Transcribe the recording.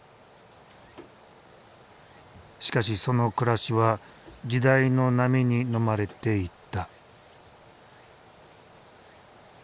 しかしその暮らしは時代の波にのまれていった。